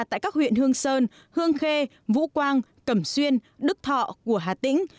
tại các huyện hương sơn hương khê vũ quang cẩm xuyên đức thọ của hà tĩnh